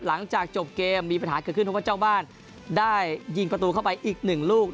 หลังจากจบเกมมีปัญหาเกิดขึ้นเพราะว่าเจ้าบ้านได้ยิงประตูเข้าไปอีกหนึ่งลูก